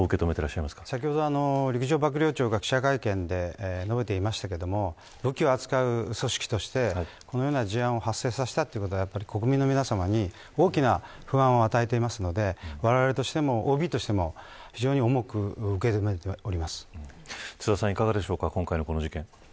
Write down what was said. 先ほど陸上幕僚長が記者会見で述べていましたが武器を扱う組織としてこのような事案を発生させたということは、国民の皆さまに大きな不安を与えていますのでわれわれとしても、ＯＢとしても津田さんいかがでしょうか。